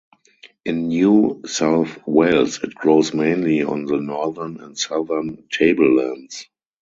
In New South Wales it grows mainly on the northern and southern tablelands.